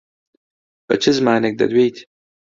بە چ زمانێک دەدوێیت؟